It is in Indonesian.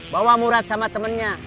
bawa murad sama temennya